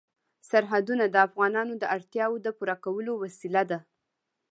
سرحدونه د افغانانو د اړتیاوو د پوره کولو وسیله ده.